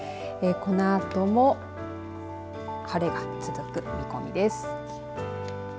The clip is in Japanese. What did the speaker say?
このあとも晴れが続く見込みです。